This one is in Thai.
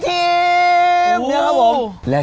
นี่ไงครับผมถึงแล้ว